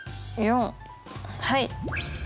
はい。